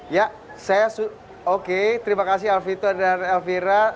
ya saya oke terima kasih alfito dan elvira